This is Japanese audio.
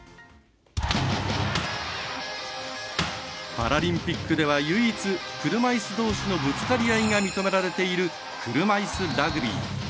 パラリンピックでは唯一車いすどうしのぶつかり合いが認められている車いすラグビー。